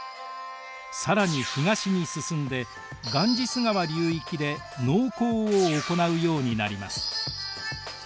更に東に進んでガンジス川流域で農耕を行うようになります。